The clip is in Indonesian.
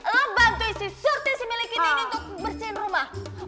lo bantu bisurti si milik ini untuk bersihin rumah